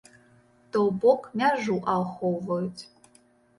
То бок, мяжу ахоўваюць.